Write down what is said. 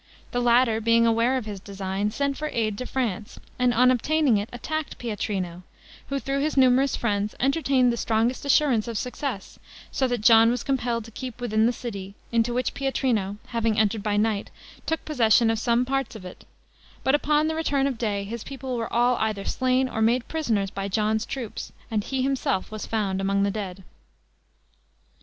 The latter being aware of his design, sent for aid to France; and, on obtaining it, attacked Pietrino, who, through his numerous friends, entertained the strongest assurance of success; so that John was compelled to keep within the city, into which Pietrino having entered by night, took possession of some parts of it; but upon the return of day, his people were all either slain or made prisoners by John's troops, and he himself was found among the dead.